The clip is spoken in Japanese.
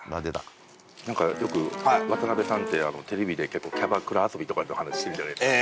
なんかよく渡辺さんってテレビで結構キャバクラ遊びとかっていうお話してるじゃないですか。